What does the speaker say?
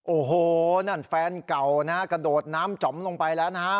โอ้โหนั่นแฟนเก่านะฮะกระโดดน้ำจ๋อมลงไปแล้วนะฮะ